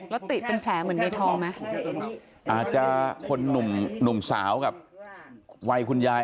แล้วติเป็นแผลเหมือนในทองไหมอาจจะคนหนุ่มหนุ่มสาวกับวัยคุณยาย